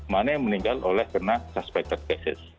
mana yang meninggal oleh karena suspected cases